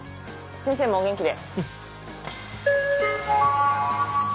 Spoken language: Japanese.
先生もお元気で。